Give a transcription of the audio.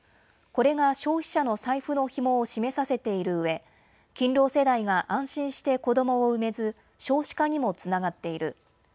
これが消費者の財布のひもを締めさせているうえ勤労世代が安心して子どもを産めず少子化にもつながっている。